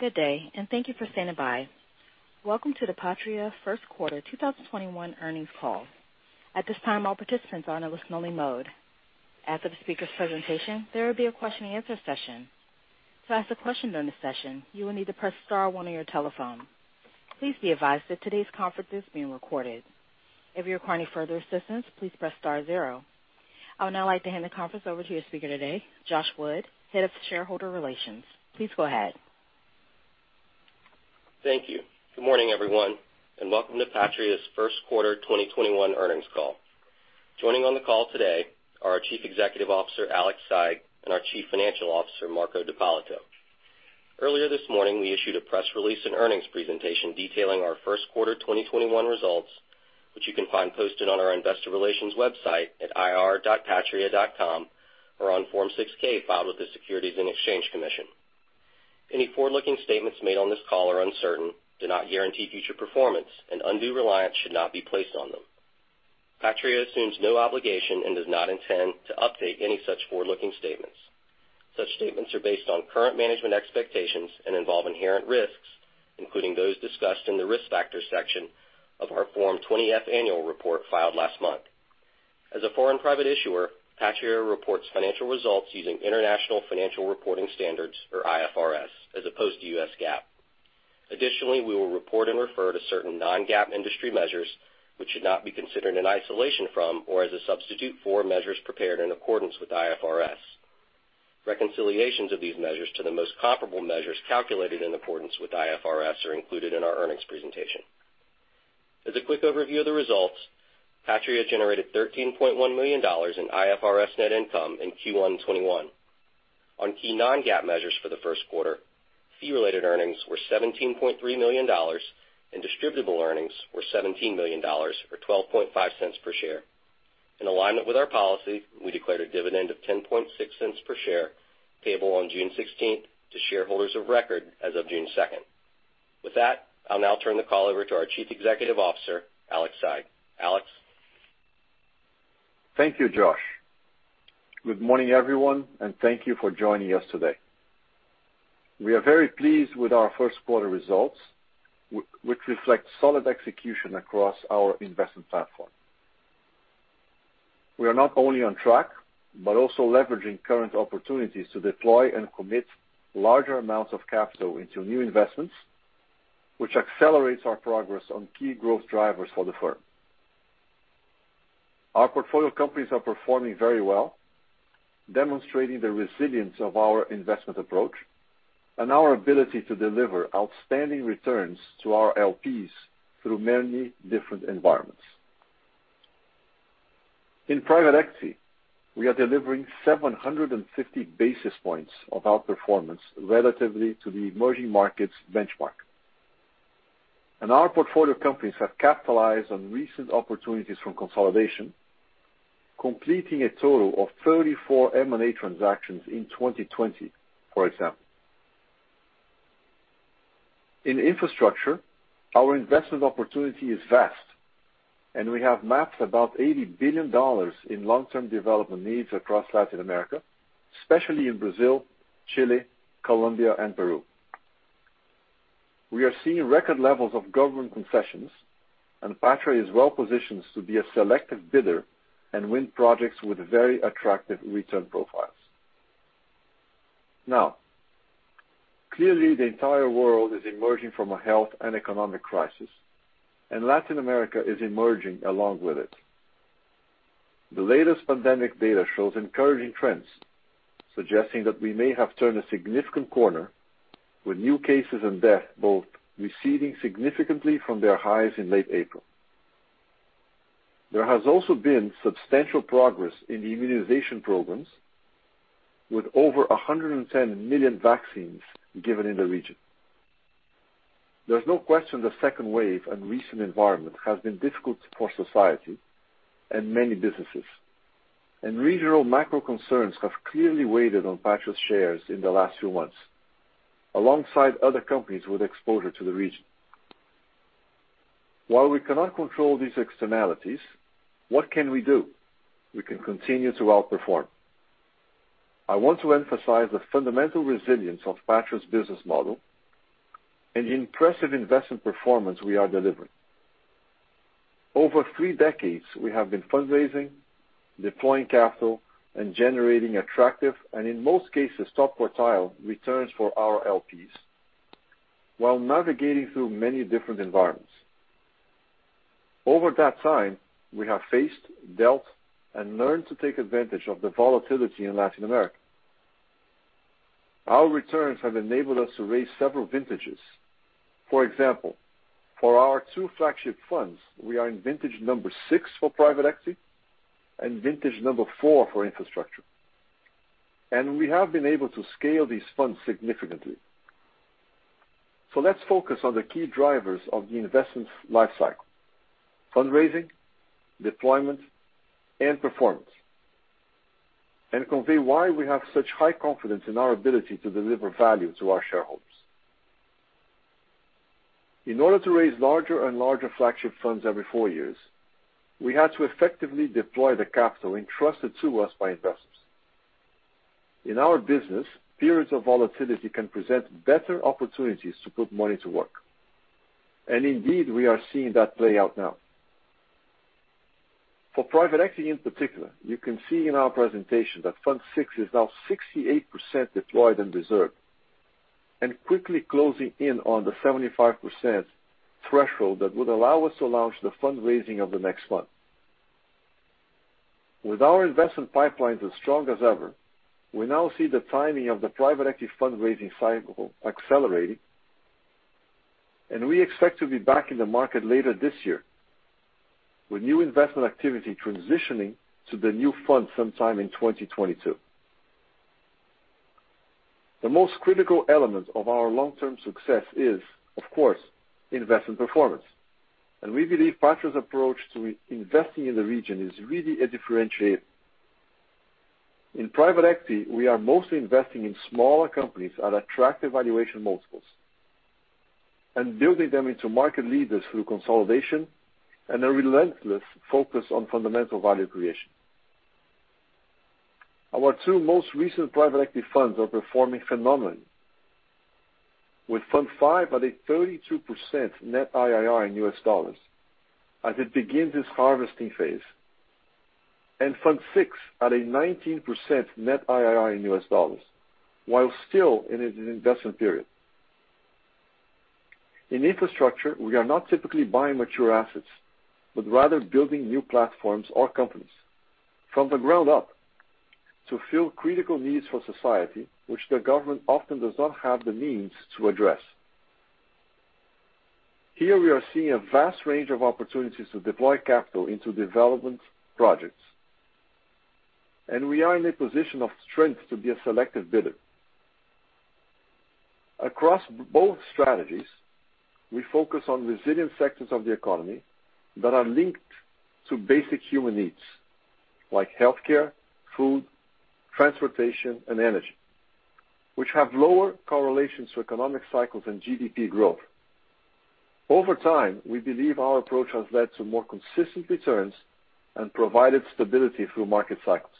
Good day, and thank you for standing by. Welcome to the Patria First Quarter 2021 Earnings Call. At this time, all participants are in a listen-only mode. After the speaker presentation, there will be a question and answer session. To ask a question during the session, you will need to press star one on your telephone. Please be advised that today's conference is being recorded. If you require any further assistance, please press star zero. I would now like to hand the conference over to our speaker today, Josh Wood, Head of Shareholder Relations. Please go ahead. Thank you. Good morning, everyone, and welcome to Patria's first quarter 2021 earnings call. Joining on the call today are our Chief Executive Officer, Alexandre Saigh, and our Chief Financial Officer, Marco D'Ippolito. Earlier this morning, we issued a press release and earnings presentation detailing our first quarter 2021 results, which you can find posted on our investor relations website at ir.patria.com or on Form 6-K filed with the Securities and Exchange Commission. Any forward-looking statements made on this call are uncertain, do not guarantee future performance, and undue reliance should not be placed on them. Patria assumes no obligation and does not intend to update any such forward-looking statements. Such statements are based on current management expectations and involve inherent risks, including those discussed in the Risk Factors section of our Form 20-F annual report filed last month. As a foreign private issuer, Patria reports financial results using International Financial Reporting Standards, or IFRS, as opposed to US GAAP. Additionally, we will report and refer to certain non-GAAP industry measures which should not be considered in isolation from or as a substitute for measures prepared in accordance with IFRS. Reconciliations of these measures to the most comparable measures calculated in accordance with IFRS are included in our earnings presentation. As a quick overview of the results, Patria generated $13.1 million in IFRS net income in Q1 '21. On key non-GAAP measures for the first quarter, fee-related earnings were $17.3 million and distributable earnings were $17 million, or $0.125 per share. In alignment with our policy, we declared a dividend of $0.106 per share, payable on June 16th to shareholders of record as of June 2nd. With that, I'll now turn the call over to our Chief Executive Officer, Alexandre Saigh. Alex? Thank you, Josh. Good morning, everyone, and thank you for joining us today. We are very pleased with our first quarter results, which reflect solid execution across our investment platform. We are not only on track but also leveraging current opportunities to deploy and commit larger amounts of capital into new investments, which accelerates our progress on key growth drivers for the firm. Our portfolio companies are performing very well, demonstrating the resilience of our investment approach and our ability to deliver outstanding returns to our LPs through many different environments. In private equity, we are delivering 750 basis points of outperformance relatively to the emerging markets benchmark. Our portfolio companies have capitalized on recent opportunities for consolidation, completing a total of 34 M&A transactions in 2020, for example. In infrastructure, our investment opportunity is vast, and we have mapped about $80 billion in long-term development needs across Latin America, especially in Brazil, Chile, Colombia, and Peru. We are seeing record levels of government concessions, and Patria is well-positioned to be a selective bidder and win projects with very attractive return profiles. Clearly, the entire world is emerging from a health and economic crisis, and Latin America is emerging along with it. The latest pandemic data shows encouraging trends, suggesting that we may have turned a significant corner, with new cases and death both receding significantly from their highs in late April. There has also been substantial progress in the immunization programs, with over 110 million vaccines given in the region. There's no question the second wave and recent environment has been difficult for society and many businesses, and regional macro concerns have clearly weighed on Patria's shares in the last few months, alongside other companies with exposure to the region. While we cannot control these externalities, what can we do? We can continue to outperform. I want to emphasize the fundamental resilience of Patria's business model and the impressive investment performance we are delivering. Over three decades, we have been fundraising, deploying capital, and generating attractive, and in most cases, top-quartile returns for our LPs while navigating through many different environments. Over that time, we have faced, dealt, and learned to take advantage of the volatility in Latin America. Our returns have enabled us to raise several vintages. For example, for our two flagship funds, we are in vintage number six for private equity and vintage number four for infrastructure, and we have been able to scale these funds significantly. Let's focus on the key drivers of the investment life cycle: fundraising, deployment, and performance, and convey why we have such high confidence in our ability to deliver value to our shareholders. In order to raise larger and larger flagship funds every four years, we had to effectively deploy the capital entrusted to us by investors. In our business, periods of volatility can present better opportunities to put money to work. Indeed, we are seeing that play out now. For private equity in particular, you can see in our presentation that Fund VI is now 68% deployed and reserved, quickly closing in on the 75% threshold that would allow us to launch the fundraising of the next fund. With our investment pipelines as strong as ever, we now see the timing of the private equity fundraising cycle accelerating, we expect to be back in the market later this year with new investment activity transitioning to the new fund sometime in 2022. The most critical element of our long-term success is, of course, investment performance, we believe Patria's approach to investing in the region is really a differentiator. In private equity, we are mostly investing in smaller companies at attractive valuation multiples and building them into market leaders through consolidation and a relentless focus on fundamental value creation. Our two most recent private equity funds are performing phenomenally. With Fund V at a 32% net IRR in US dollars as it begins its harvesting phase, and Fund VI at a 19% net IRR in US dollars while still in its investment period. In infrastructure, we are not typically buying mature assets, but rather building new platforms or companies from the ground up to fill critical needs for society, which the government often does not have the means to address. Here we are seeing a vast range of opportunities to deploy capital into development projects, and we are in a position of strength to be a selected bidder. Across both strategies, we focus on resilient sectors of the economy that are linked to basic human needs like healthcare, food, transportation, and energy, which have lower correlations to economic cycles and GDP growth. Over time, we believe our approach has led to more consistent returns and provided stability through market cycles.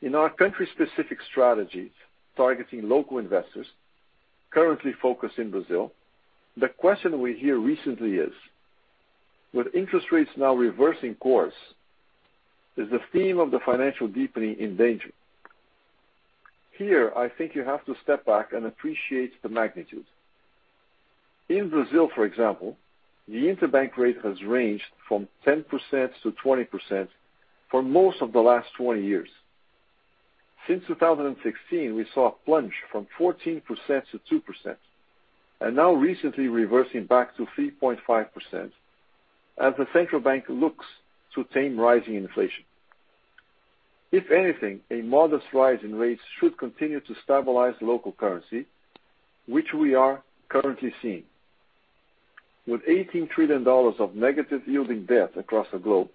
In our country-specific strategies targeting local investors currently focused in Brazil, the question we hear recently is, with interest rates now reversing course, is the theme of the financial deepening in danger? Here, I think you have to step back and appreciate the magnitude. In Brazil, for example, the interbank rate has ranged from 10%-20% for most of the last 20 years. Since 2016, we saw a plunge from 14%-2%, and now recently reversing back to 3.5% as the central bank looks to tame rising inflation. If anything, a modest rise in rates should continue to stabilize the local currency, which we are currently seeing. With 18 trillion of negative yielding debt across the globe,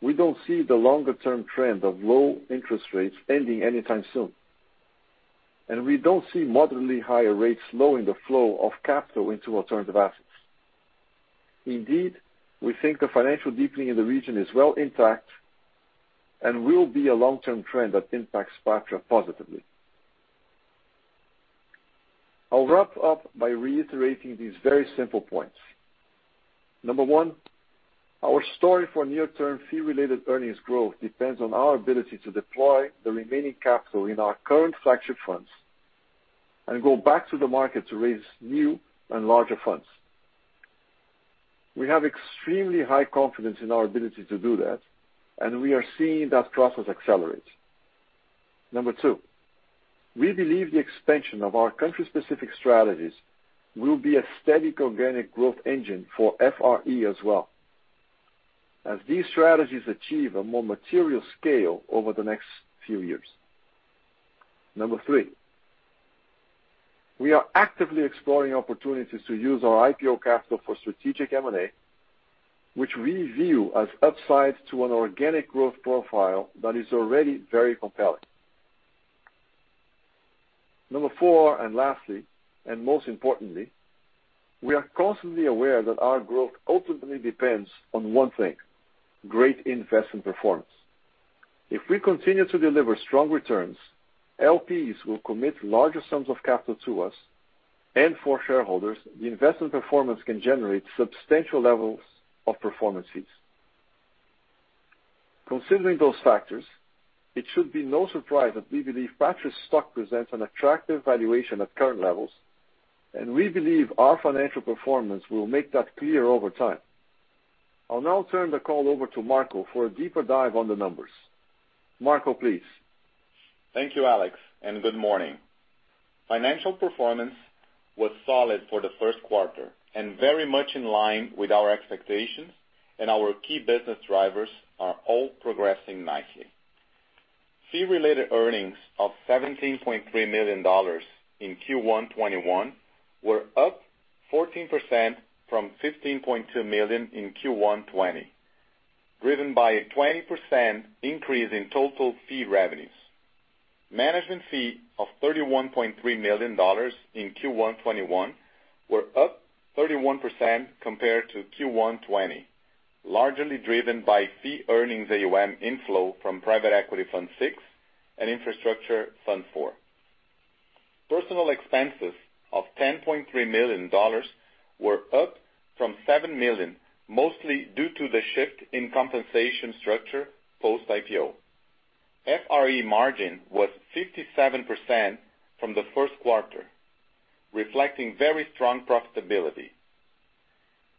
we don't see the longer-term trend of low interest rates ending anytime soon, and we don't see moderately higher rates slowing the flow of capital into alternative assets. We think the financial deepening in the region is well intact and will be a long-term trend that impacts Patria positively. I'll wrap up by reiterating these very simple points. Number one, our story for near-term fee-related earnings growth depends on our ability to deploy the remaining capital in our current flagship funds and go back to the market to raise new and larger funds. We have extremely high confidence in our ability to do that, and we are seeing that process accelerate. Number two, we believe the expansion of our country-specific strategies will be a steady organic growth engine for FRE as well, as these strategies achieve a more material scale over the next few years. Number three, we are actively exploring opportunities to use our IPO capital for strategic M&A, which we view as upsides to an organic growth profile that is already very compelling. Number four, and lastly, and most importantly, we are constantly aware that our growth ultimately depends on one thing, great investment performance. If we continue to deliver strong returns, LPs will commit larger sums of capital to us, and for shareholders, the investment performance can generate substantial levels of performance fees. Considering those factors, it should be no surprise that we believe Patria's stock presents an attractive valuation at current levels, and we believe our financial performance will make that clear over time. I'll now turn the call over to Marco for a deeper dive on the numbers. Marco, please. Thank you, Alex. Good morning. Financial performance was solid for the first quarter and very much in line with our expectations. Our key business drivers are all progressing nicely. Fee-related earnings of $17.3 million in Q1 2021 were up 14% from $15.2 million in Q1 2020. Driven by a 20% increase in total fee revenues. Management fees of $31.3 million in Q1 '21 were up 31% compared to Q1 '20, largely driven by fee-earning AUM inflow from Private Equity Fund VI and Infrastructure Fund IV. Personnel expenses of $10.3 million were up from $7 million, mostly due to the shift in compensation structure post-IPO. FRE margin was 57% for the first quarter, reflecting very strong profitability.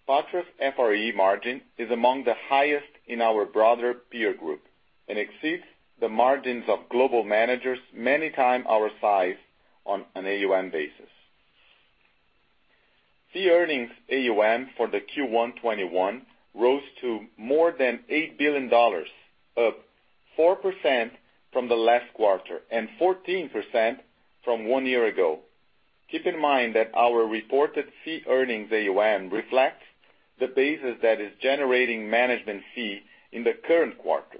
Patria's FRE margin is among the highest in our broader peer group and exceeds the margins of global managers many times our size on an AUM basis. Fee-earning AUM for the Q1 2021 rose to more than $8 billion, up 4% from the last quarter and 14% from one year ago. Keep in mind that our reported fee-earning AUM reflects the basis that is generating management fee in the current quarter.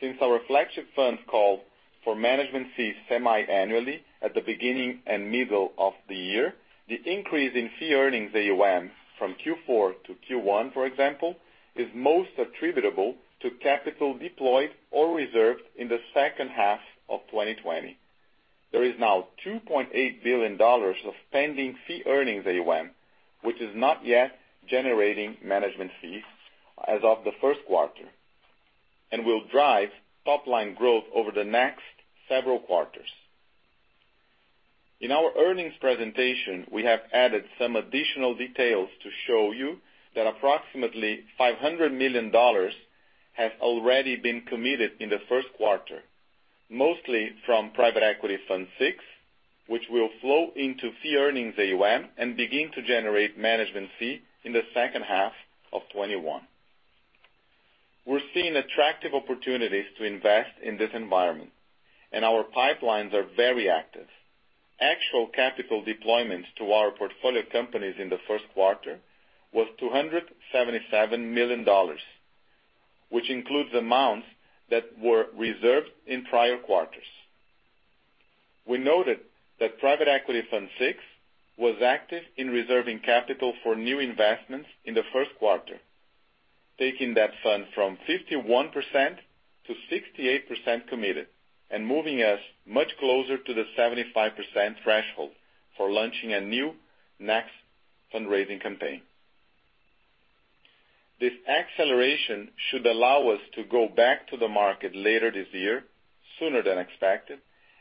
Since our flagship fund calls for management fees semi-annually at the beginning and middle of the year, the increase in fee-earning AUM from Q4 to Q1, for example, is most attributable to capital deployed or reserved in the second half of 2020. There is now $2.8 billion of pending fee-earning AUM, which is not yet generating management fees as of the first quarter, and will drive top-line growth over the next several quarters. In our earnings presentation, we have added some additional details to show you that approximately $500 million has already been committed in the first quarter, mostly from Private Equity Fund VI, which will flow into fee-earning AUM and begin to generate management fee in the second half of 2021. We're seeing attractive opportunities to invest in this environment, and our pipelines are very active. Actual capital deployments to our portfolio companies in the first quarter was $277 million, which includes amounts that were reserved in prior quarters. We noted that Private Equity Fund VI was active in reserving capital for new investments in the first quarter, taking that fund from 51% to 68% committed and moving us much closer to the 75% threshold for launching a new next fundraising campaign. This acceleration should allow us to go back to the market later this year, sooner than expected,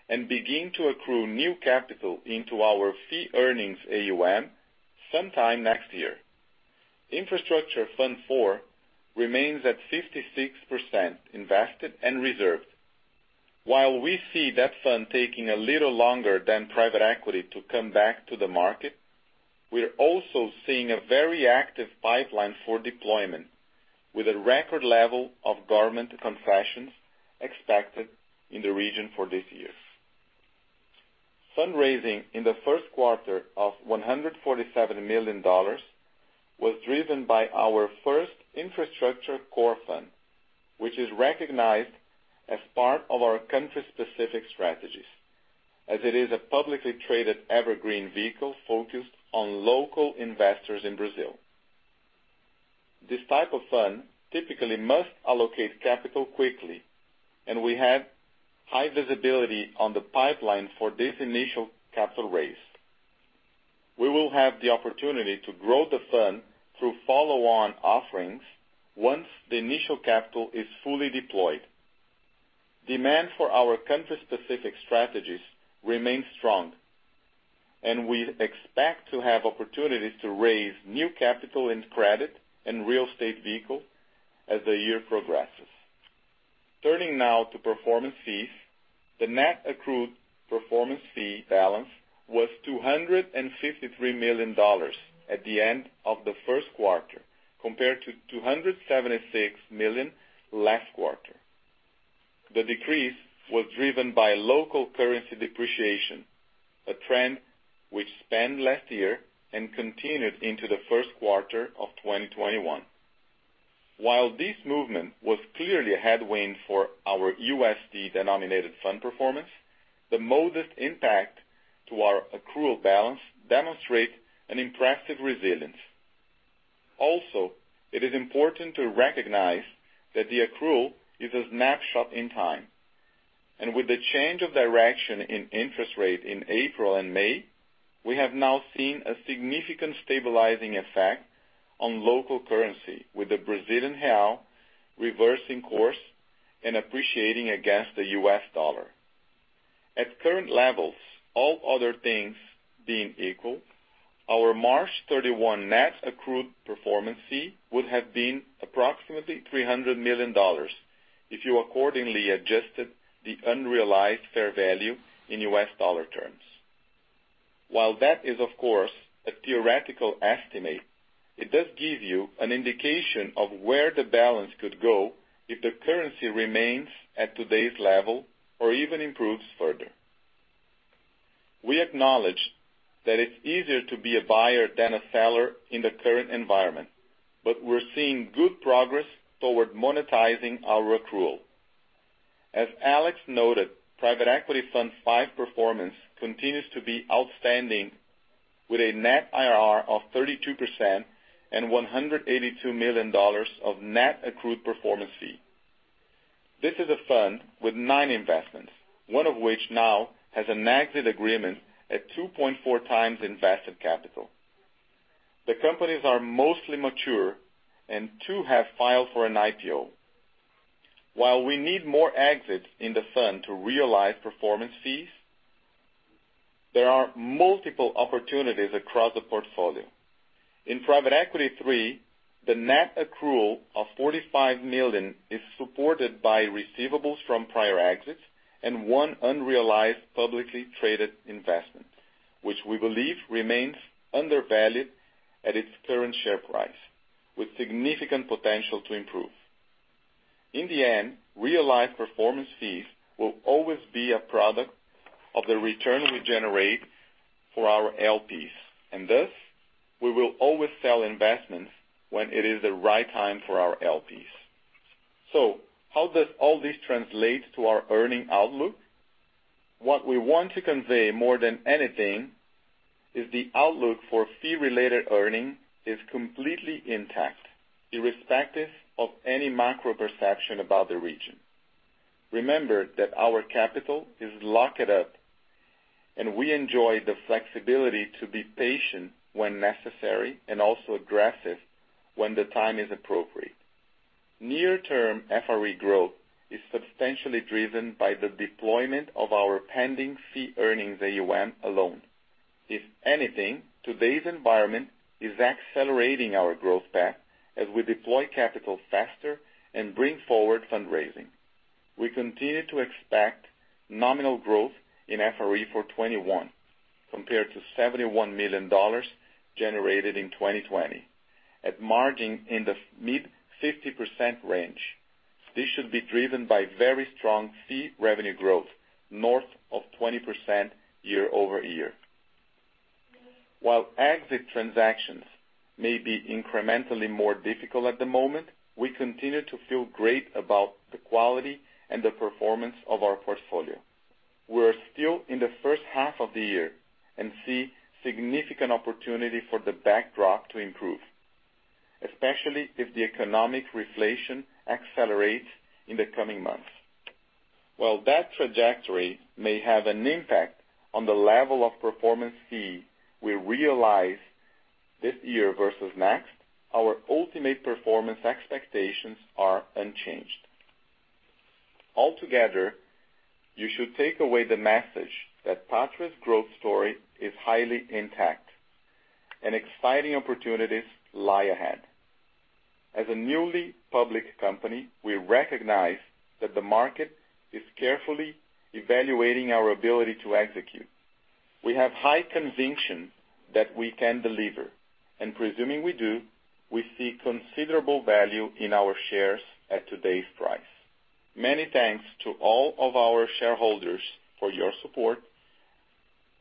and begin to accrue new capital into our fee-earning AUM sometime next year. Infrastructure Fund IV remains at 56% invested and reserved. We see that fund taking a little longer than private equity to come back to the market, we're also seeing a very active pipeline for deployment with a record level of government concessions expected in the region for this year. Fundraising in the first quarter of $147 million was driven by our first infrastructure core fund, which is recognized as part of our country-specific strategies, as it is a publicly traded evergreen vehicle focused on local investors in Brazil. This type of fund typically must allocate capital quickly, and we have high visibility on the pipeline for this initial capital raise. We will have the opportunity to grow the fund through follow-on offerings once the initial capital is fully deployed. Demand for our country-specific strategies remains strong, and we expect to have opportunities to raise new capital in credit and real estate vehicle as the year progresses. Turning now to performance fees. The net accrued performance fee balance was $253 million at the end of the first quarter, compared to $276 million last quarter. The decrease was driven by local currency depreciation, a trend which spanned last year and continued into the first quarter of 2021. While this movement was clearly a headwind for our USD-denominated fund performance, the modest impact to our accrual balance demonstrates an impressive resilience. It is important to recognize that the accrual is a snapshot in time, and with the change of direction in interest rate in April and May, we have now seen a significant stabilizing effect on local currency with the Brazilian real reversing course and appreciating against the US dollar. At current levels, all other things being equal, our March 31 net accrued performance fee would have been approximately $300 million if you accordingly adjusted the unrealized fair value in US dollar terms. That is, of course, a theoretical estimate, it does give you an indication of where the balance could go if the currency remains at today's level or even improves further. We acknowledge that it's easier to be a buyer than a seller in the current environment, but we're seeing good progress toward monetizing our accrual. As Alex noted, Private Equity Fund 5 performance continues to be outstanding with a net IRR of 32% and $182 million of net accrued performance fee. This is a fund with nine investments, one of which now has an exit agreement at 2.4x invested capital. The companies are mostly mature and two have filed for an IPO. While we need more exits in the fund to realize performance fees, there are multiple opportunities across the portfolio. In Private Equity Fund 3, the net accrual of $45 million is supported by receivables from prior exits and one unrealized publicly traded investment, which we believe remains undervalued at its current share price, with significant potential to improve. Thus, we will always sell investments when it is the right time for our LPs. How does all this translate to our earnings outlook? What we want to convey more than anything is the outlook for fee-related earnings is completely intact, irrespective of any macro perception about the region. Remember that our capital is locked up, and we enjoy the flexibility to be patient when necessary and also aggressive when the time is appropriate. Near-term FRE growth is substantially driven by the deployment of our pending fee-earning AUM alone. If anything, today's environment is accelerating our growth path as we deploy capital faster and bring forward fundraising. We continue to expect nominal growth in FRE for 2021 compared to $71 million generated in 2020 at margin in the mid-50% range. This should be driven by very strong fee revenue growth north of 20% year-over-year. While exit transactions may be incrementally more difficult at the moment, we continue to feel great about the quality and the performance of our portfolio. We're still in the first half of the year and see significant opportunity for the backdrop to improve, especially if the economic reflation accelerates in the coming months. While that trajectory may have an impact on the level of performance fee we realize this year versus next, our ultimate performance expectations are unchanged. Altogether, you should take away the message that Patria's growth story is highly intact and exciting opportunities lie ahead. As a newly public company, we recognize that the market is carefully evaluating our ability to execute. We have high conviction that we can deliver, and presuming we do, we see considerable value in our shares at today's price. Many thanks to all of our shareholders for your support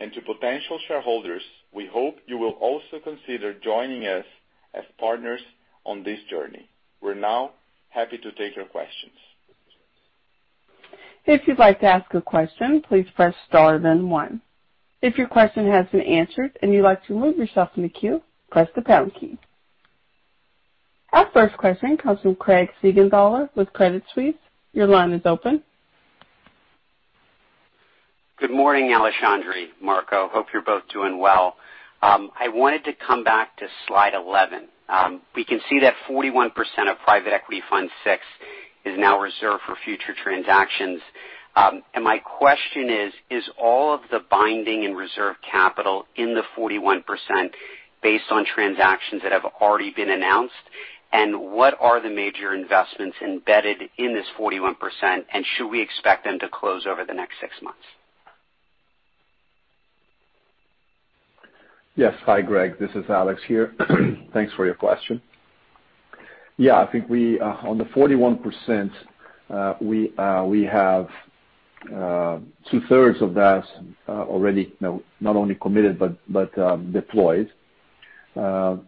and to potential shareholders, we hope you will also consider joining us as partners on this journey. We are now happy to take your questions. Our first question comes from Craig Siegenthaler with Credit Suisse. Your line is open. Good morning, Alexandre, Marco. Hope you're both doing well. I wanted to come back to slide 11. We can see that 41% of Private Equity Fund VI is now reserved for future transactions. My question is all of the binding and reserve capital in the 41% based on transactions that have already been announced? What are the major investments embedded in this 41% and should we expect them to close over the next six months? Yes. Hi, Craig. This is Alex here. Thanks for your question. I think on the 41%, we have two-thirds of that already not only committed but deployed. In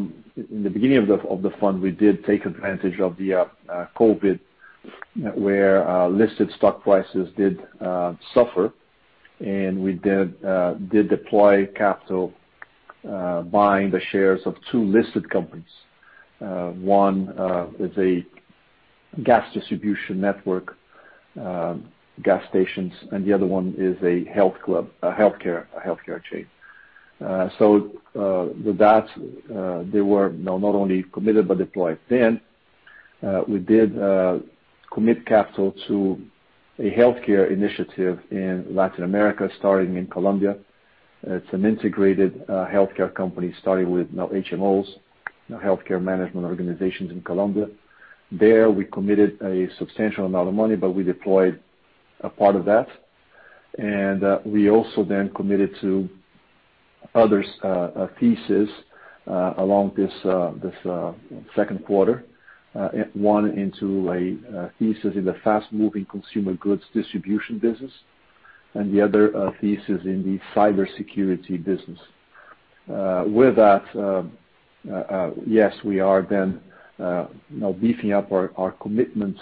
the beginning of the fund, we did take advantage of the COVID where listed stock prices did suffer. We did deploy capital buying the shares of two listed companies. One is a gas distribution network, gas stations. The other one is a healthcare chain. With that, they were not only committed but deployed then. We did commit capital to a healthcare initiative in Latin America, starting in Colombia. It's an integrated healthcare company starting with HMOs, healthcare management organizations in Colombia. There we committed a substantial amount of money. We deployed a part of that. We also then committed to Others thesis along this second quarter. One into a thesis in the fast-moving consumer goods distribution business, and the other thesis in the cybersecurity business. With that, yes, we are then now beefing up our commitment.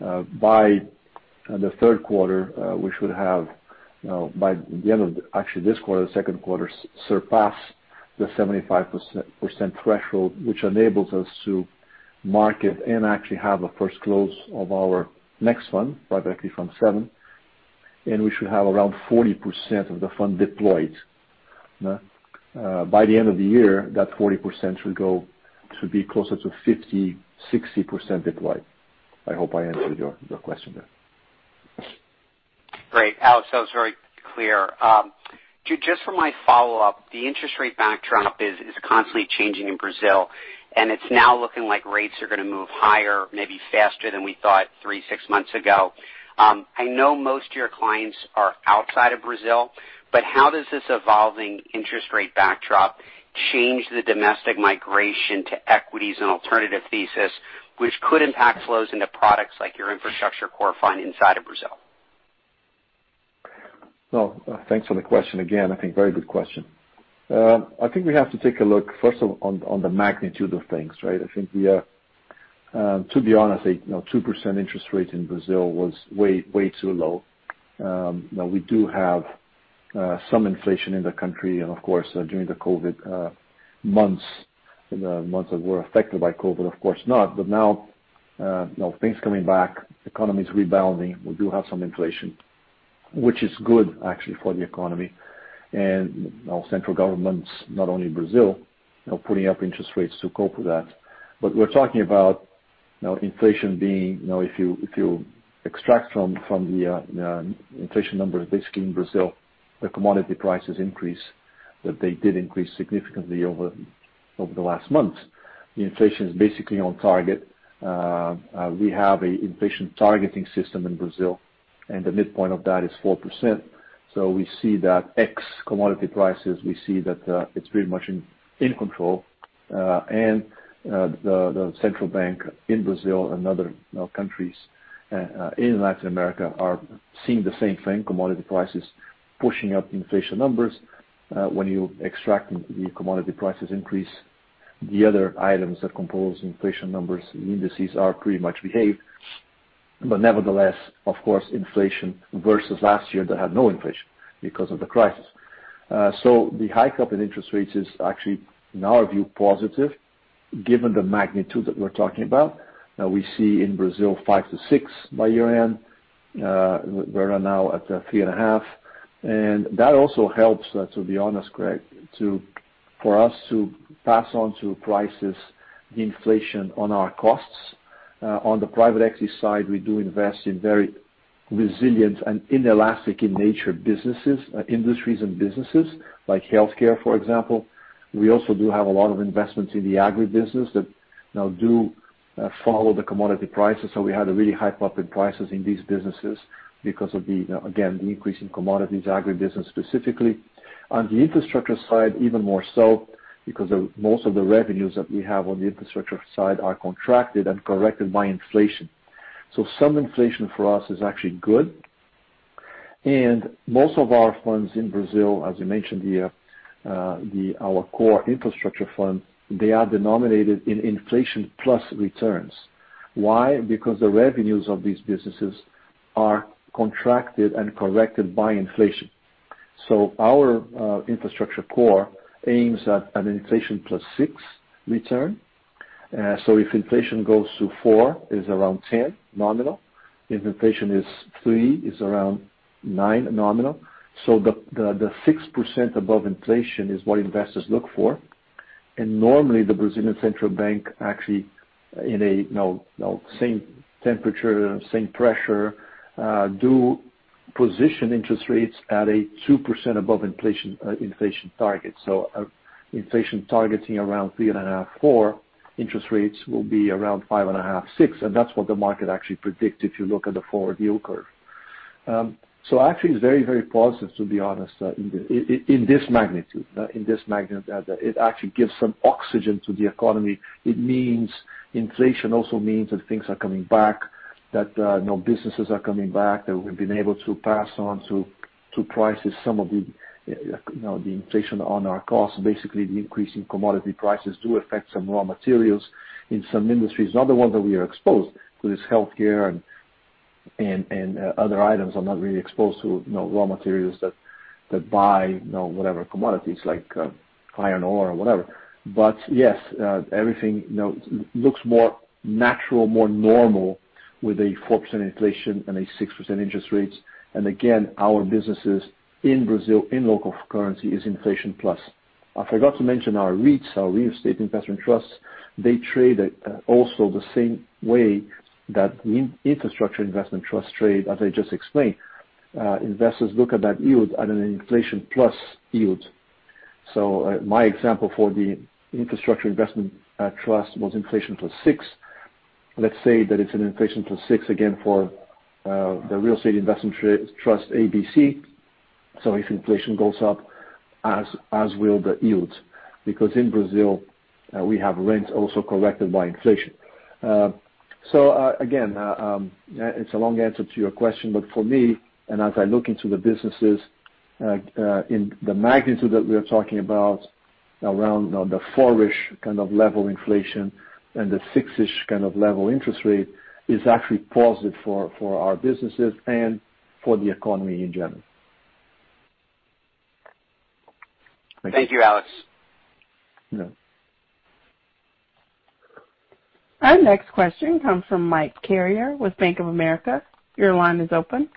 By the third quarter, we should have, by the end of actually this quarter, second quarter, surpassed the 75% threshold, which enables us to market and actually have a first close of our next fund, Private Equity Fund VII, and we should have around 40% of the fund deployed. By the end of the year, that 40% should be closer to 50%-60% deployed. I hope I answered your question there. Great. Alex, that was very clear. Just for my follow-up, the interest rate backdrop is constantly changing in Brazil. It's now looking like rates are going to move higher, maybe faster than we thought three, six months ago. I know most of your clients are outside of Brazil. How does this evolving interest rate backdrop change the domestic migration to equities and alternative thesis, which could impact flows into products like your infrastructure core fund inside of Brazil? No, thanks for the question again. I think very good question. I think we have to take a look first on the magnitude of things, right? I think to be honest, I think 2% interest rate in Brazil was way too low. We do have some inflation in the country, and of course, during the COVID months, the months that were affected by COVID, of course not. Now, things coming back, economy is rebounding. We do have some inflation, which is good actually for the economy. Central governments, not only Brazil, putting up interest rates to cope with that. We're talking about inflation being, if you extract from the inflation numbers basically in Brazil, the commodity prices increase, that they did increase significantly over the last month. The inflation is basically on target. We have an inflation targeting system in Brazil, and the midpoint of that is 4%. We see that ex commodity prices, we see that it's pretty much in control. The central bank in Brazil and other countries in Latin America are seeing the same thing, commodity prices pushing up the inflation numbers. When you extract the commodity prices increase, the other items that compose inflation numbers, the indices are pretty much behaved. Nevertheless, of course, inflation versus last year, they had no inflation because of the crisis. The hike up in interest rates is actually, in our view, positive given the magnitude that we're talking about. Now we see in Brazil 5%-6% by year-end. We are now at 3.5%. That also helps that, to be honest, Craig, for us to pass on to prices the inflation on our costs. On the private equity side, we do invest in very resilient and inelastic in nature businesses, like industries and businesses like healthcare, for example. We also do have a lot of investments in the agri-business that now do follow the commodity prices. We had a really hike up in prices in these businesses because of the, again, increase in commodities, agri-business specifically. On the infrastructure side, even more so because most of the revenues that we have on the infrastructure side are contracted and corrected by inflation. Some inflation for us is actually good. Most of our funds in Brazil, as you mentioned here, our core infrastructure fund, they are denominated in inflation plus returns. Why? Because the revenues of these businesses are contracted and corrected by inflation. Our infrastructure core aims at an inflation plus 6% return. If inflation goes to four, is around 10 nominal. If inflation is three, is around nine nominal. The 6% above inflation is what investors look for. Normally, the Brazilian Central Bank actually in a same temperature, same pressure, do position interest rates at a 2% above inflation target. Inflation targeting around 3.5, 4, interest rates will be around 5.5, 6. That's what the market actually predicts if you look at the forward yield curve. Actually, it's very, very positive, to be honest, in this magnitude, that it actually gives some oxygen to the economy. Inflation also means that things are coming back, that businesses are coming back, that we've been able to pass on to prices some of the inflation on our costs. Basically, the increase in commodity prices do affect some raw materials in some industries, not the one that we are exposed to. There's healthcare and other items I'm not really exposed to, raw materials that buy whatever commodities, like iron ore or whatever. Yes, everything looks more natural, more normal with a 4% inflation and a 6% interest rates. Again, our businesses in Brazil in local currency is inflation plus. I forgot to mention our REITs, our real estate investment trusts. They trade at also the same way that infrastructure investment trusts trade, as I just explained. Investors look at that yield at an inflation plus yield. My example for the infrastructure investment trust was inflation plus six. Let's say that it's an inflation plus six again for the real estate investment trust ABC. If inflation goes up, as will the yields. Because in Brazil, we have rents also corrected by inflation. Again, it's a long answer to your question, but for me, and as I look into the businesses in the magnitude that we are talking about around the four-ish kind of level inflation and the six-ish kind of level interest rate is actually positive for our businesses and for the economy in general. Thank you, Alex. Yeah. Our next question comes from Mike Carrier with Bank of America. Your line is open.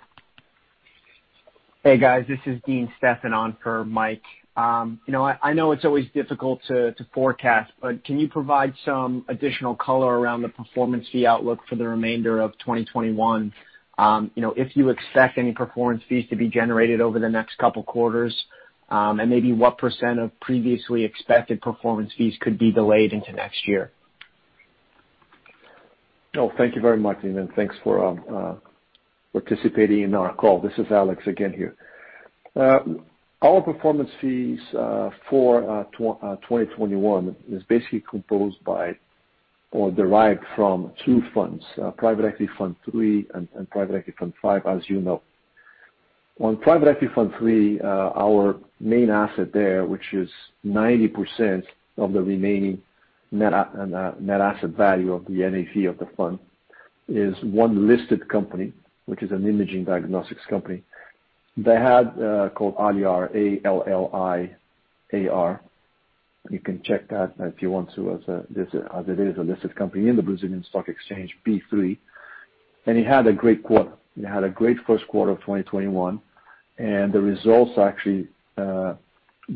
Hey, guys. This is Dean Stephan on for Mike. I know it's always difficult to forecast. Can you provide some additional color around the performance fee outlook for the remainder of 2021? If you expect any performance fees to be generated over the next couple of quarters, and maybe what percent of previously expected performance fees could be delayed into next year? Thank you very much, Dean, and thanks for participating in our call. This is Alex again here. Our performance fees for 2021 is basically composed by or derived from two funds, Private Equity Fund 3 and Private Equity Fund 5, as you know. On Private Equity Fund 3, our main asset there, which is 90% of the remaining net asset value of the NAV of the fund, is one listed company, which is an imaging diagnostics company. Called Alliar, A-L-L-I-A-R. You can check that if you want to as it is a listed company in the Brazilian Stock Exchange, B3. It had a great quarter. It had a great first quarter of 2021, and the results actually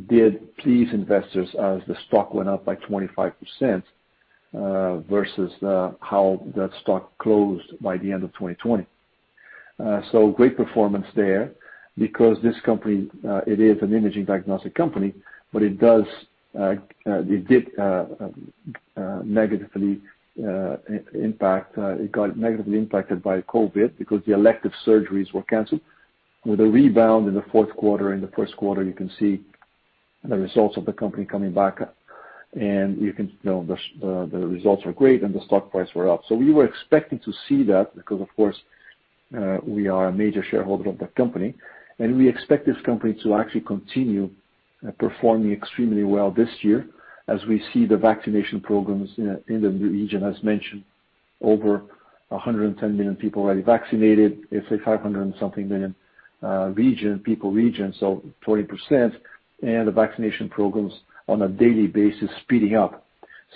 did please investors as the stock went up by 25% versus how that stock closed by the end of 2020. Great performance there because this company, it is an imaging diagnostic company, but it got negatively impacted by COVID because the elective surgeries were canceled. With a rebound in the fourth quarter and the first quarter, you can see the results of the company coming back up. The results are great, and the stock prices were up. We were expecting to see that because, of course, we are a major shareholder of that company, and we expect this company to actually continue performing extremely well this year as we see the vaccination programs in the region, as mentioned. Over 110 million people already vaccinated. It's a 500 and something million people region, so 20%, and the vaccination programs on a daily basis speeding up.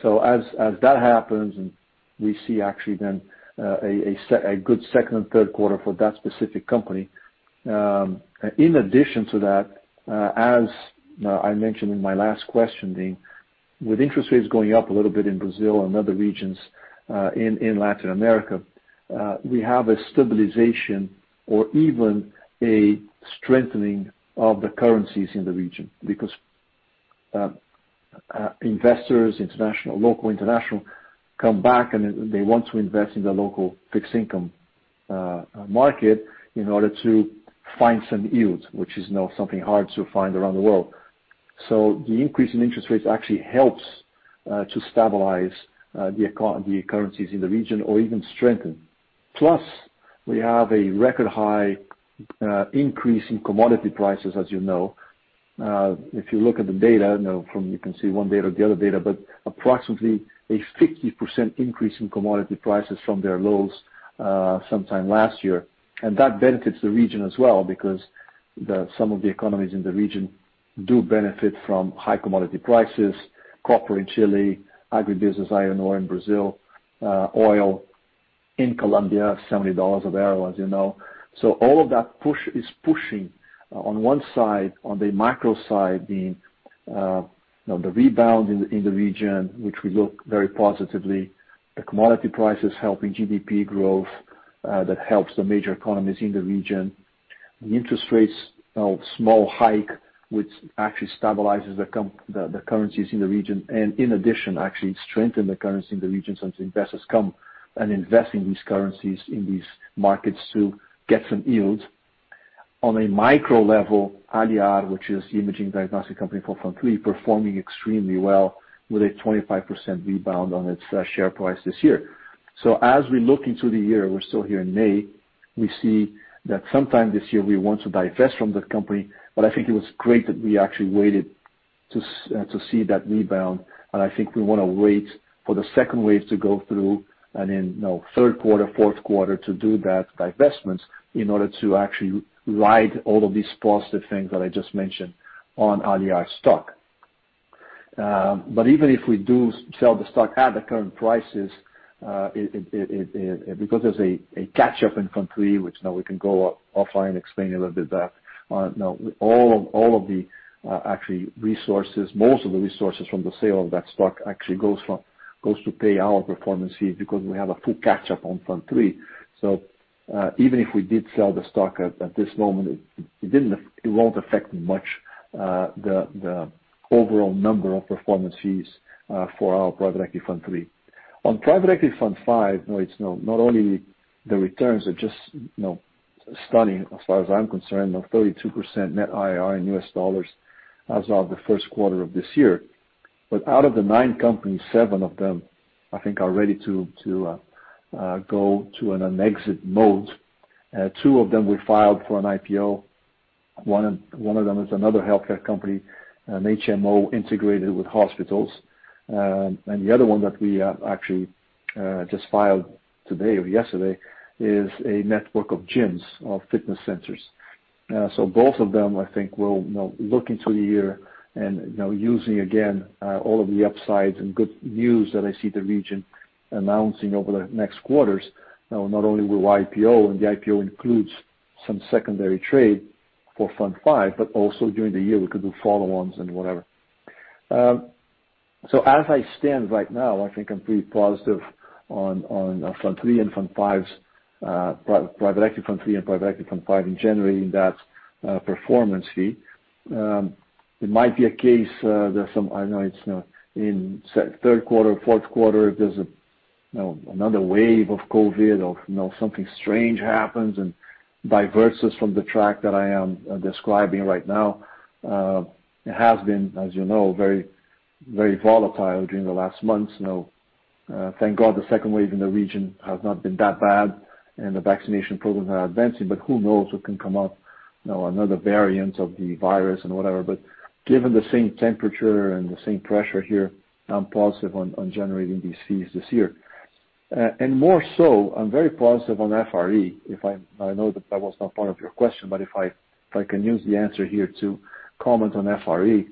As that happens, and we see actually then a good second and third quarter for that specific company. In addition to that, as I mentioned in my last question, Dean, with interest rates going up a little bit in Brazil and other regions in Latin America, we have a stabilization or even a strengthening of the currencies in the region because investors, local, international, come back, and they want to invest in the local fixed income market in order to find some yields, which is now something hard to find around the world. The increase in interest rates actually helps to stabilize the currencies in the region or even strengthen. Plus, we have a record-high increase in commodity prices, as you know. If you look at the data, from you can see one data, the other data, but approximately a 50% increase in commodity prices from their lows sometime last year. That benefits the region as well because some of the economies in the region do benefit from high commodity prices. Copper in Chile, agribusiness iron ore in Brazil, oil in Colombia, BRL 70 a barrel, as you know. All of that is pushing on one side, on the macro side, the rebound in the region, which we look very positively. The commodity prices helping GDP growth, that helps the major economies in the region. The interest rates small hike, which actually stabilizes the currencies in the region, and in addition, actually strengthen the currency in the region since investors come and invest in these currencies in these markets to get some yield. On a micro level, Alliar, which is the imaging diagnostic company for Fund 3, performing extremely well with a 25% rebound on its share price this year. As we look into the year, we're still here in May, we see that sometime this year, we want to divest from that company. I think it was great that we actually waited to see that rebound. I think we want to wait for the second wave to go through and in third quarter, fourth quarter to do that divestments in order to actually ride all of these positive things that I just mentioned on Alliar stock. Even if we do sell the stock at the current prices, because there's a catch-up in Fund 3, which now we can go offline, explain a little bit that. Most of the resources from the sale of that stock actually goes to pay our performance fee because we have a full catch-up on Fund 3. Even if we did sell the stock at this moment, it won't affect much the overall number of performance fees for our Private Equity Fund 3. On Private Equity Fund 5, not only the returns are just stunning, as far as I'm concerned, of 32% net IRR in US dollars as of the first quarter of this year. Out of the nine companies, seven of them, I think, are ready to go to an exit mode. Two of them we filed for an IPO. One of them is another healthcare company, an HMO integrated with hospitals. The other one that we actually just filed today or yesterday is a network of gyms, of fitness centers. Both of them, I think, will look into the year and using, again, all of the upsides and good news that I see the region announcing over the next quarters. Not only will IPO, and the IPO includes some secondary trade for Fund 5, but also during the year, we could do follow-ons and whatever. As I stand right now, I think I'm pretty positive on Fund 3 and Fund 5, Private Equity Fund 3 and Private Equity Fund 5, in generating that performance fee. It might be a case, in third quarter, fourth quarter, if there's another wave of COVID or something strange happens and diverts us from the track that I am describing right now. It has been, as you know, very volatile during the last months. Thank God, the second wave in the region has not been that bad, and the vaccination programs are advancing, but who knows what can come up, another variant of the virus and whatever. Given the same temperature and the same pressure here, I'm positive on generating these fees this year. I'm very positive on FRE. I know that that was not part of your question, if I can use the answer here to comment on FRE.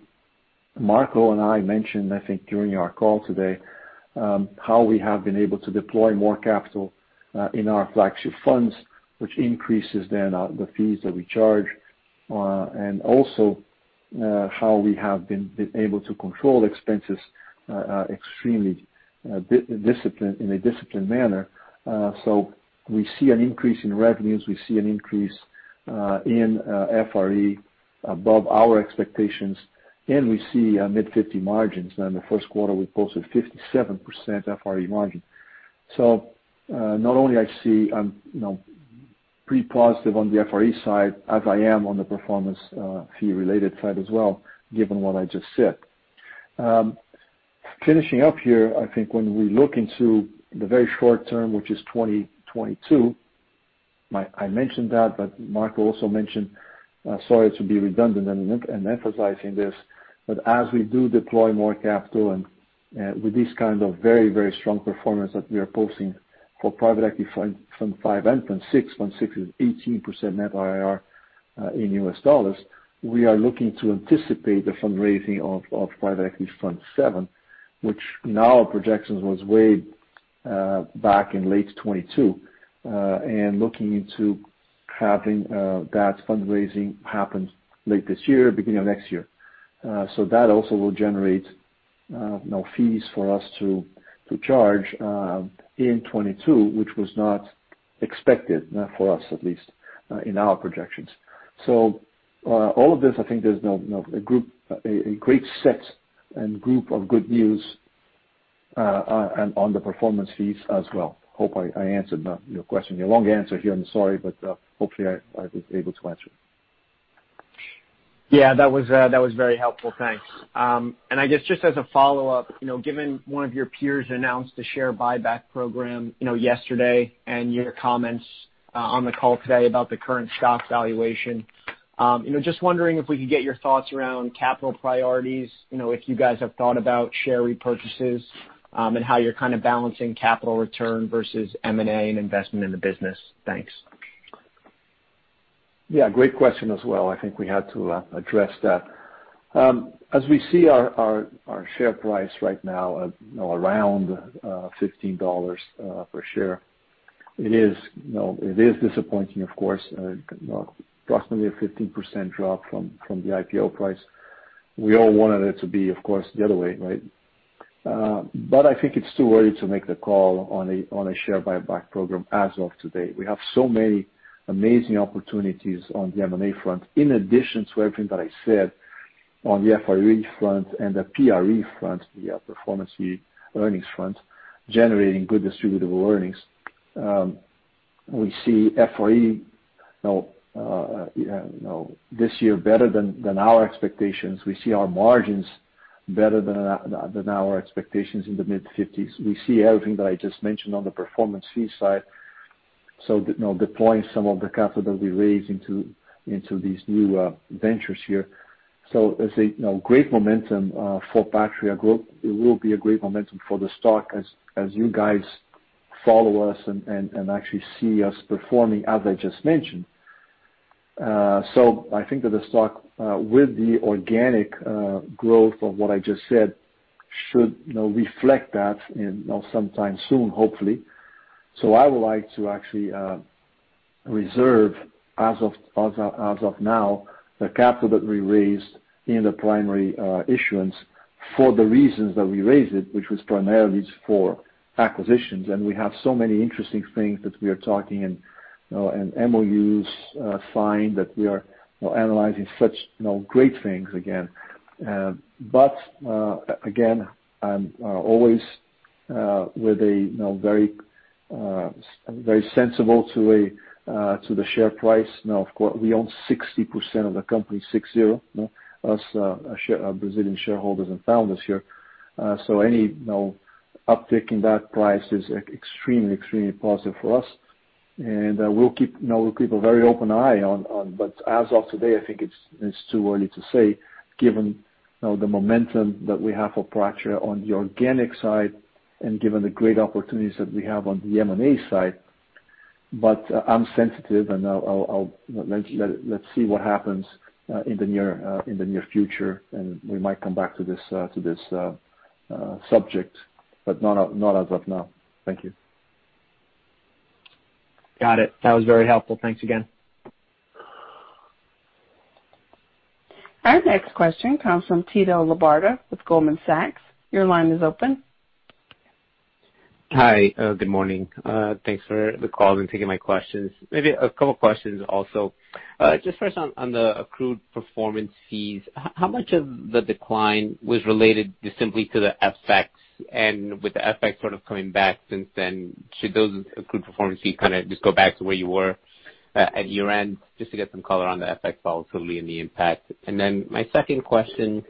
Marco and I mentioned, I think, during our call today, how we have been able to deploy more capital in our flagship funds, which increases then the fees that we charge, and also how we have been able to control expenses extremely in a disciplined manner. We see an increase in revenues, we see an increase in FRE above our expectations, and we see mid-50 margins. In the first quarter, we posted 57% FRE margin. Not only I see I'm pretty positive on the FRE side, as I am on the performance fee-related side as well, given what I just said. Finishing up here, I think when we look into the very short term, which is 2022, I mentioned that, but Marco also mentioned, sorry to be redundant and emphasizing this, but as we do deploy more capital and with this kind of very, very strong performance that we are posting for Private Equity Fund 5 and Fund 6, Fund 6 is 18% net IRR in US dollars. We are looking to anticipate the fundraising of Private Equity Fund 7, which now our projections was way back in late 2022, and looking into having that fundraising happen late this year, beginning of next year. That also will generate fees for us to charge in 2022, which was not expected for us, at least in our projections. All of this, I think there's a great set and group of good news on the performance fees as well. Hope I answered your question. A long answer here, I'm sorry, but hopefully I was able to answer. Yeah, that was very helpful. Thanks. I guess just as a follow-up, given one of your peers announced the share buyback program yesterday and your comments on the call today about the current stock valuation, just wondering if we can get your thoughts around capital priorities, if you guys have thought about share repurchases, and how you're balancing capital return versus M&A and investment in the business. Thanks. Yeah, great question as well. I think we have to address that. As we see our share price right now at around $15 per share, it is disappointing, of course, approximately a 15% drop from the IPO price. We all wanted it to be, of course, the other way, right? I think it's too early to make a call on a share buyback program as of today. We have so many amazing opportunities on the M&A front, in addition to everything that I said on the FRE front and the PRE front, the performance earnings front, generating good distributable earnings. We see FRE this year better than our expectations. We see our margins better than our expectations in the mid-50s. We see everything that I just mentioned on the performance fee side. Deploying some of the capital that we raised into these new ventures here. It's a great momentum for Patria Growth. It will be a great momentum for the stock as you guys follow us and actually see us performing as I just mentioned. I think that the stock, with the organic growth of what I just said, should reflect that sometime soon, hopefully. I would like to actually reserve, as of now, the capital that we raised in the primary issuance for the reasons that we raised it, which was primarily for acquisitions. We have so many interesting things that we are talking and MOUs signed that we are analyzing such great things again. Again, I'm always very sensible to the share price. Of course, we own 60% of the company, six-zero, us Brazilian shareholders and founders here. Any uptick in that price is extremely positive for us, and we'll keep a very open eye on. As of today, I think it's too early to say given the momentum that we have for Patria on the organic side and given the great opportunities that we have on the M&A side. I'm sensitive, and let's see what happens in the near future, and we might come back to this subject, but not as of now. Thank you. Got it. That was very helpful. Thanks again. Our next question comes from Tito Labarta with Goldman Sachs. Your line is open. Hi. Good morning. Thanks for the call and taking my questions. Maybe a couple questions also. Just first on the accrued performance fees. How much of the decline was related just simply to the FX? With the FX sort of coming back since then, should those accrued performance fees kind of just go back to where you were at year-end? Just to get some color on the FX volatility and the impact. My second question,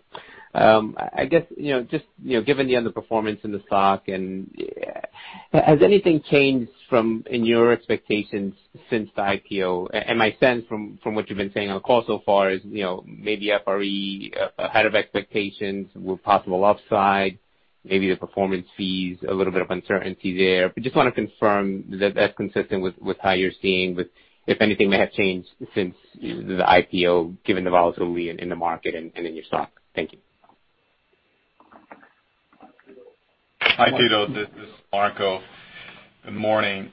I guess, just given the underperformance in the stock, has anything changed from in your expectations since the IPO? My sense from what you've been saying on call so far is, maybe FRE ahead of expectations with possible upside, maybe the performance fees a little bit of uncertainty there. Just want to confirm that that's consistent with how you're seeing, but if anything may have changed since the IPO given the volatility in the market and in your stock. Thank you. Hi, Tito. This is Marco. Good morning.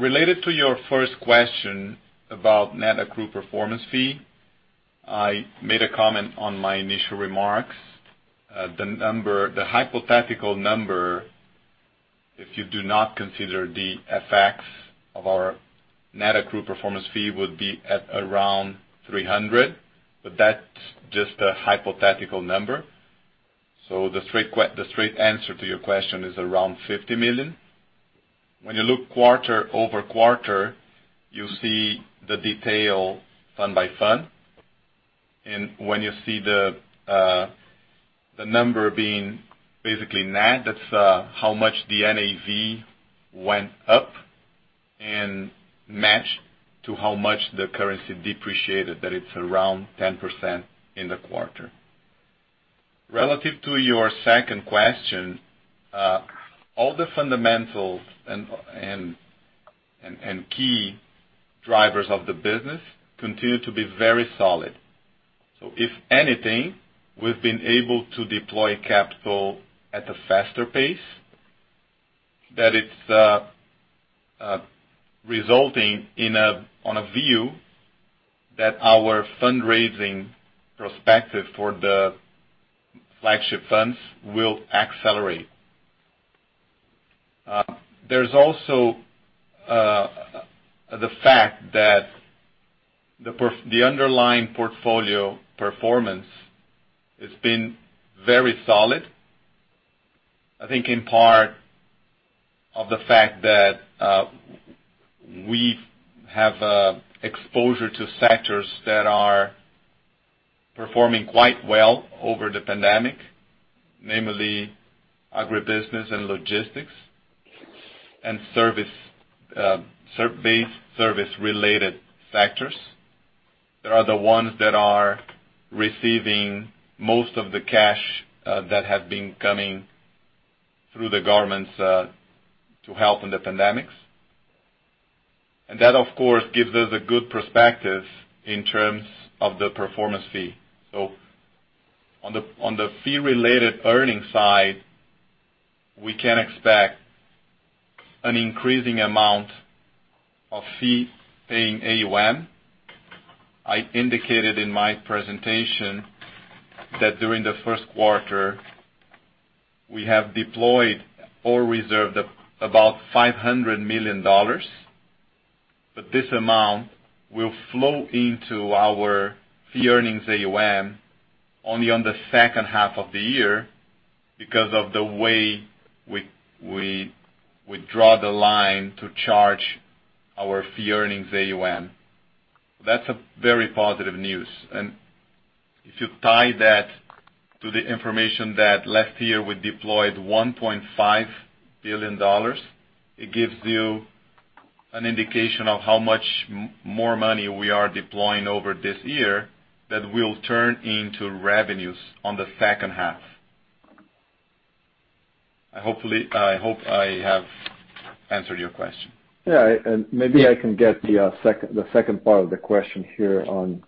Related to your first question about net accrued performance fee, I made a comment on my initial remarks. The hypothetical number, if you do not consider the effects of our net accrued performance fee would be at around 300, but that's just a hypothetical number. The straight answer to your question is around $50 million. When you look quarter-over-quarter, you see the detail fund by fund. When you see the number being basically net, that's how much the NAV went up and matched to how much the currency depreciated, that it's around 10% in the quarter. Relative to your second question, all the fundamentals and key drivers of the business continue to be very solid. If anything, we've been able to deploy capital at a faster pace, that it's resulting on a view that our fundraising prospective for the flagship funds will accelerate. There's also the fact that the underlying portfolio performance has been very solid. I think in part of the fact that we have exposure to sectors that are performing quite well over the pandemic, namely agribusiness and logistics, and base service-related sectors. They are the ones that are receiving most of the cash that have been coming through the governments to help in the pandemics. That, of course, gives us a good perspective in terms of the performance fee. On the fee-related earnings side, we can expect an increasing amount of fee-earning AUM. I indicated in my presentation that during the first quarter, we have deployed or reserved about $500 million. This amount will flow into our fee-earning AUM only on the second half of the year because of the way we draw the line to charge our fee-earning AUM. That's a very positive news. If you tie that to the information that last year we deployed $1.5 billion, it gives you an indication of how much more money we are deploying over this year that will turn into revenues on the second half. I hope I have answered your question. Yeah. Maybe I can get the second part of the question here on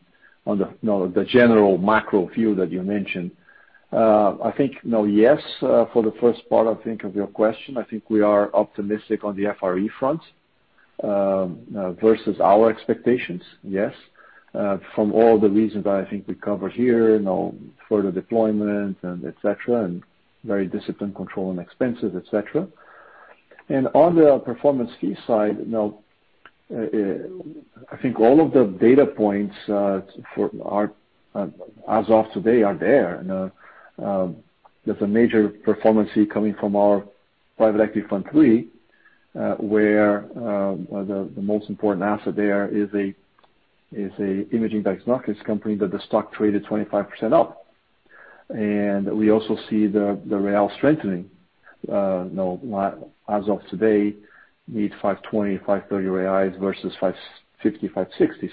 the general macro view that you mentioned. I think, yes, for the first part, I think of your question, I think we are optimistic on the FRE front. Versus our expectations, yes. From all the reasons that I think we covered here, further deployment et cetera, very disciplined control and expenses, et cetera. On the performance fee side, I think all of the data points as of today are there. There's a major performance fee coming from our Private Equity Fund 3, where the most important asset there is a imaging diagnostics company, the stock traded 25% up. We also see the real strengthening. As of today, mid 5.20 reais, 5.30 reais versus 5.50, 5.60.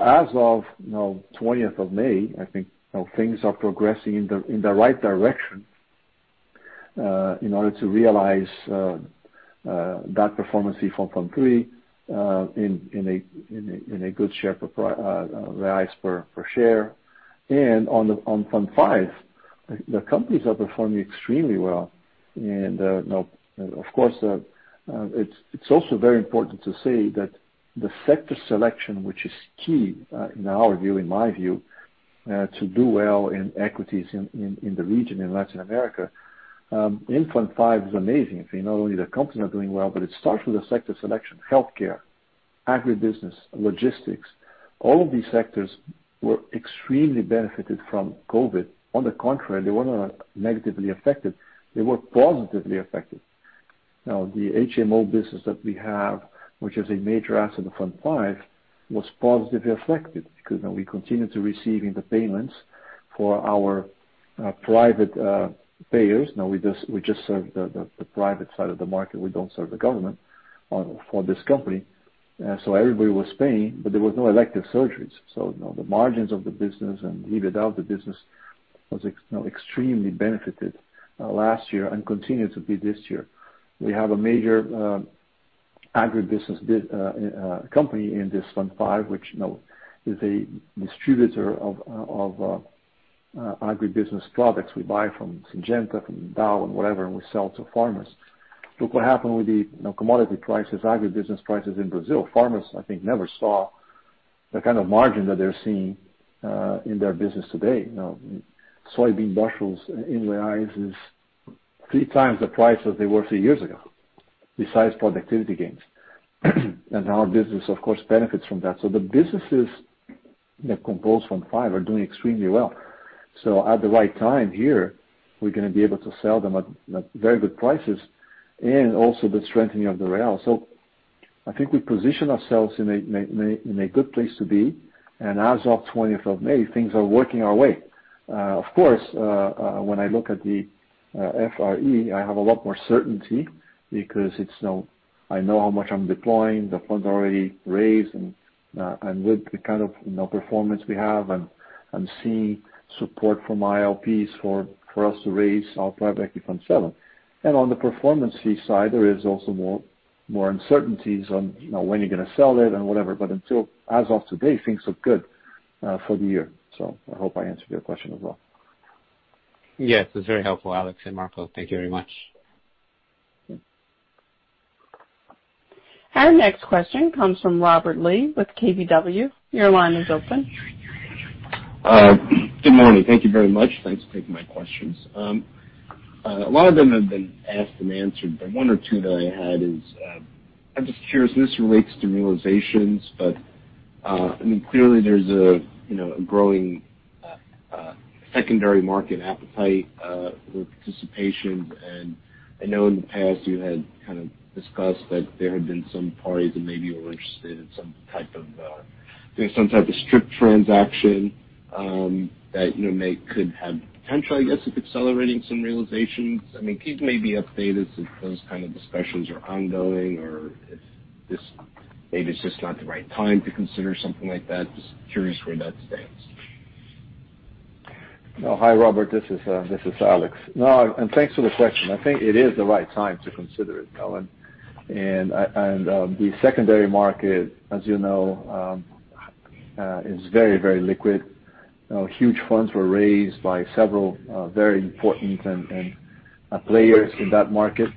As of 20th of May, I think things are progressing in the right direction in order to realize that performance fee from Fund 3 in a good share of BRL per share. On Fund 5, the companies are performing extremely well. Of course, it's also very important to say that the sector selection, which is key in our view, in my view, to do well in equities in the region, in Latin America. In Fund V, it's amazing. Not only the companies are doing well, but it starts with the sector selection, healthcare, agribusiness, logistics. All of these sectors were extremely benefited from COVID. On the contrary, they were not negatively affected. They were positively affected. The HMO business that we have, which is a major asset of Fund V, was positively affected because we continued to receiving the payments for our private payers. We just serve the private side of the market. We don't serve the government for this company. Everybody was paying, but there were no elective surgeries. The margins of the business was extremely benefited last year and continue to be this year. We have a major agribusiness company in this Fund V, which is a distributor of agribusiness products. We buy from Syngenta, from Dow and whatever, and we sell to farmers. Look what happened with the commodity prices, agribusiness prices in Brazil. Farmers, I think, never saw the kind of margin that they're seeing in their business today. Soybean bushels in reais is three times the price that they were three years ago, besides productivity gains. Our business, of course, benefits from that. The businesses that compose Fund V are doing extremely well. At the right time here, we're going to be able to sell them at very good prices and also the strengthening of the real. I think we position ourselves in a good place to be. As of 20th of May, things are working our way. Of course, when I look at the FRE, I have a lot more certainty because I know how much I'm deploying. The fund's already raised and with the kind of performance we have and see support from LPs for us to raise our Private Equity Fund VII. On the performance fee side, there is also more uncertainties on when you're going to sell it and whatever. Until as of today, things look good for the year. I hope I answered your question as well. Yes. That's very helpful, Alex and Marco. Thank you very much. Our next question comes from Robert Lee with KBW. Your line is open. Good morning. Thank you very much. Thanks for taking my questions. One or two that I had is, I am just curious, and this relates to realizations. I mean, clearly there's a growing secondary market appetite with participation. I know in the past you had kind of discussed that there had been some parties that may be interested in some type of strip transaction that could have potential, I guess, of accelerating some realizations. I mean, can you maybe update us if those kinds of discussions are ongoing or if this maybe is just not the right time to consider something like that? Just curious where that stands. Hi, Robert. This is Alex. No, thanks for the question. I think it is the right time to consider it. The secondary market, as you know, is very liquid. Huge funds were raised by several very important players in that market.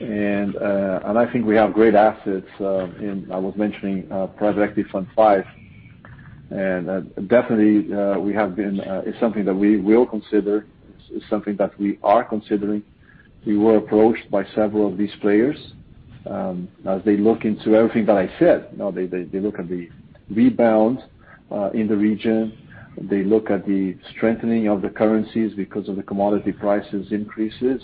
I think we have great assets in, I was mentioning, Private Equity Fund 5. Definitely it's something that we will consider. It's something that we are considering. We were approached by several of these players as they look into everything that I said. They look at the rebound in the region. They look at the strengthening of the currencies because of the commodity prices increases.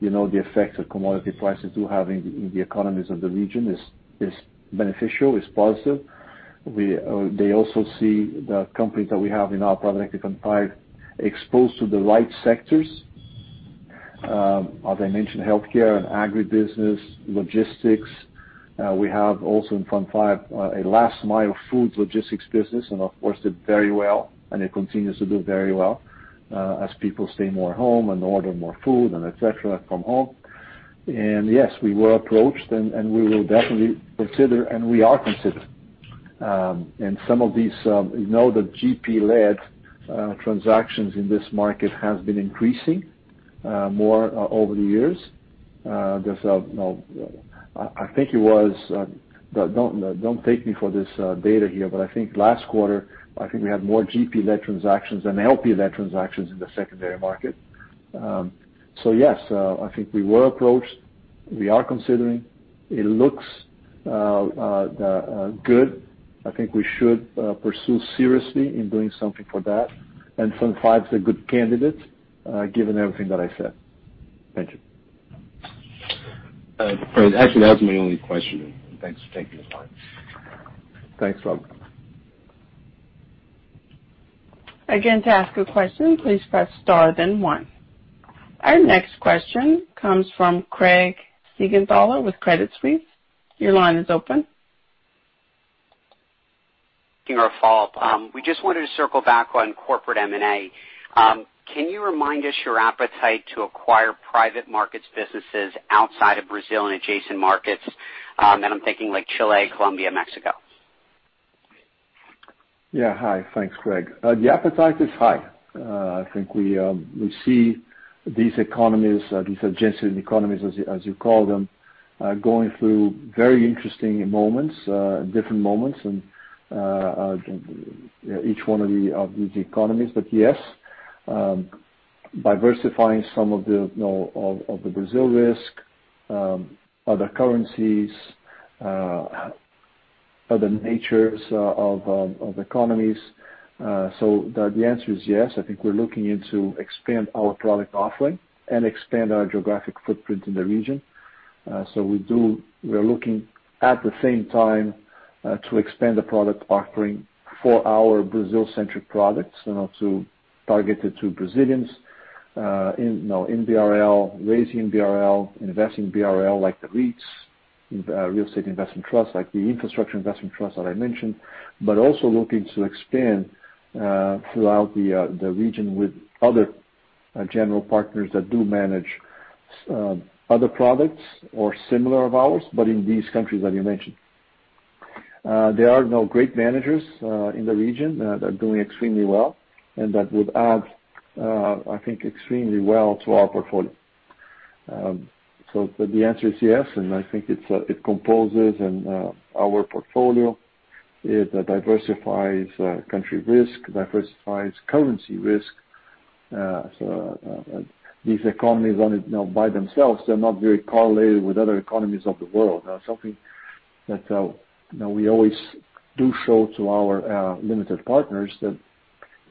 The effect that commodity prices do have in the economies of the region is beneficial, is positive. They also see the company that we have in our Private Equity Fund 5 exposed to the right sectors. As I mentioned, healthcare and agribusiness, logistics. We have also in Fund V a last mile foods logistics business, and of course did very well, and it continues to do very well as people stay more home and order more food and et cetera from home. Yes, we were approached, and we will definitely consider, and we are considering. Some of these, we know that GP-led transactions in this market have been increasing more over the years. Don't take me for this data here, but I think last quarter, I think we had more GP-led transactions than LP-led transactions in the secondary market. Yes, I think we were approached. We are considering. It looks good. I think we should pursue seriously in doing something for that. Fund V is a good candidate, given everything that I said. Thank you. Actually, that was my only question. Thanks for taking the time. Thanks, Robert Lee. Again, to ask a question, please press star, then one. Our next question comes from Craig Siegenthaler with Credit Suisse. Your line is open. Your follow-up. We just wanted to circle back on corporate M&A. Can you remind us your appetite to acquire private markets businesses outside of Brazil and adjacent markets? I'm thinking like Chile, Colombia, Mexico. Yeah. Hi. Thanks, Craig. The appetite is high. I think we see these adjacent economies, as you call them, going through very interesting moments, different moments in each one of these economies. Yes, diversifying some of the Brazil risk, other currencies, other natures of economies. The answer is yes. I think we're looking into expand our product offering and expand our geographic footprint in the region. We're looking at the same time to expand the product offering for our Brazil-centric products and also targeted to Brazilians in BRL, raising BRL, investing BRL like the REITs, real estate investment trusts, like the infrastructure investment trusts that I mentioned. Also looking to expand throughout the region with other general partners that do manage other products or similar of ours, in these countries that you mentioned. There are now great managers in the region that are doing extremely well, that would add, I think, extremely well to our portfolio. The answer is yes, I think it composes in our portfolio. It diversifies country risk, diversifies currency risk. These economies by themselves, they're not very correlated with other economies of the world. That's something that we always do show to our limited partners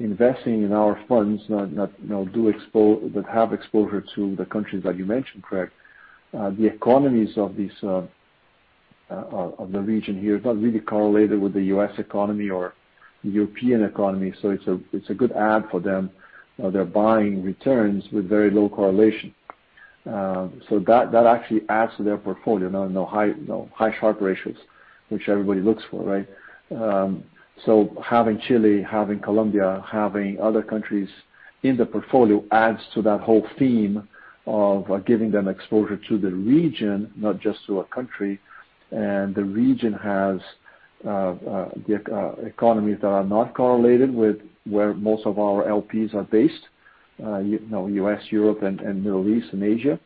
that investing in our funds that have exposure to the countries that you mentioned, Craig. The economies of the region here is not really correlated with the U.S. economy or the European economy. It's a good add for them. They're buying returns with very low correlation. That actually adds to their portfolio. High Sharpe ratios, which everybody looks for, right? Having Chile, having Colombia, having other countries in the portfolio adds to that whole theme of giving them exposure to the region, not just to a country. The region has economies that are not correlated with where most of our LPs are based U.S., Europe, and Middle East, and Asia.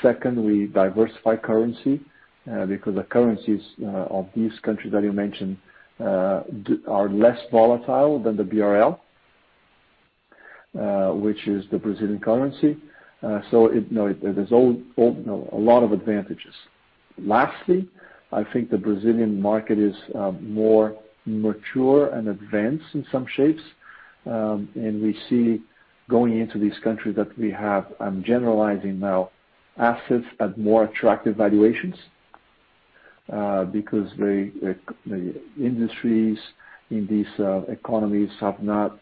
Second, we diversify currency because the currencies of these countries that you mentioned are less volatile than the BRL, which is the Brazilian currency. There's a lot of advantages. Lastly, I think the Brazilian market is more mature and advanced in some shapes. We see going into these countries that we have, I'm generalizing now, assets at more attractive valuations because the industries in these economies have not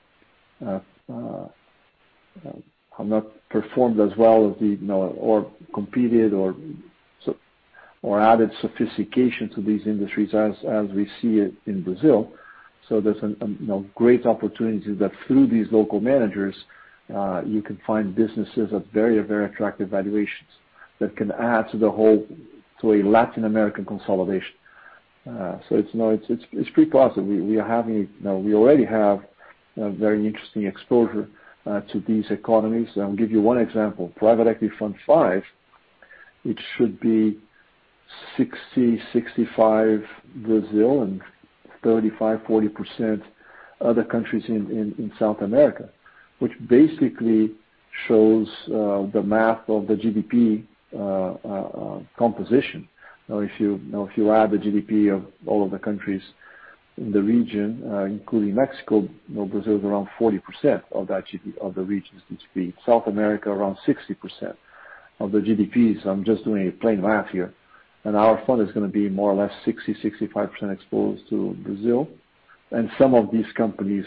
performed as well as competed or added sophistication to these industries as we see it in Brazil. There's a great opportunity that through these local managers, you can find businesses at very attractive valuations that can add to a Latin American consolidation. It's pretty positive. We already have a very interesting exposure to these economies. I'll give you one example. Private Equity Fund 5, it should be 60%-65% Brazil and 35%-40% other countries in South America, which basically shows the math of the GDP composition. If you add the GDP of all of the countries in the region, including Mexico, Brazil is around 40% of the region's GDP. South America, around 60% of the GDPs. I'm just doing a plain math here. Our fund is going to be more or less 60%-65% exposed to Brazil. Some of these companies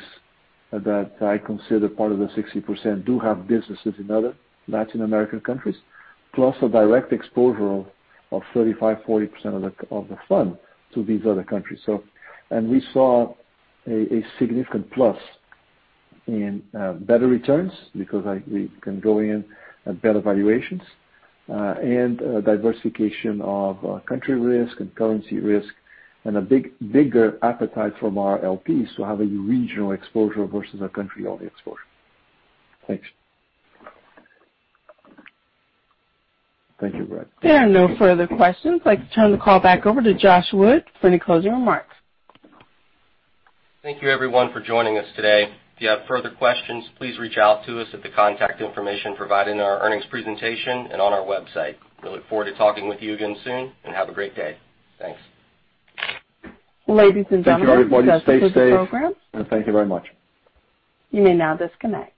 that I consider part of the 60% do have businesses in other Latin American countries, plus a direct exposure of 35%-40% of the fund to these other countries. We saw a significant plus in better returns because we can go in at better valuations, and diversification of country risk and currency risk, and a bigger appetite from our LPs to having regional exposure versus a country-only exposure. Thanks. Thank you, Craig. There are no further questions. I'd like to turn the callback over to Josh Wood for any closing remarks. Thank you everyone for joining us today. If you have further questions, please reach out to us at the contact information provided in our earnings presentation and on our website. We look forward to talking with you again soon, and have a great day. Thanks. Ladies and gentlemen. Thanks everybody. Stay safe, and thank you very much. You may now disconnect.